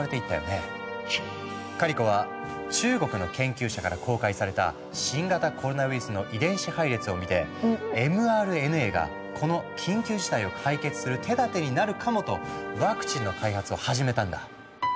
カリコは中国の研究者から公開された新型コロナウイルスの遺伝子配列を見てｍＲＮＡがこの緊急事態を解決する手だてになるかもとワクチンの開発を始めたんだ。